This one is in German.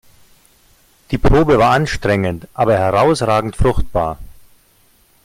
Die Probe war anstrengend, aber herausragend fruchtbar.